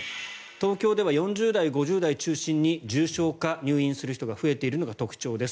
東京では４０代、５０代中心に重症化、入院する人が増えているのが特徴です